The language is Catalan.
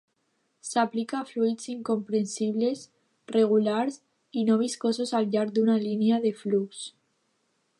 S'aplica a fluids incompressibles, regulars i no viscosos al llarg d'una línia de flux.